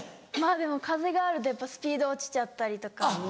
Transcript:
でも風があるとスピード落ちちゃったりとか。